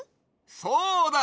そうだ！